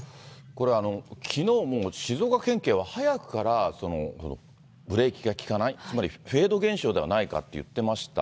これ、きのうも静岡県警は早くからブレーキが利かない、つまりフェード現象ではないかって言ってました。